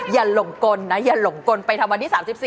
หลงกลนะอย่าหลงกลไปทำวันที่๓๔